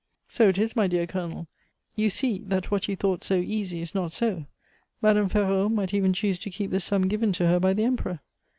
"So it is, my dear Colonel. You see, that what you thought so easy is not so. Madame Ferraud might even choose to keep the sum given to her by the Emperor."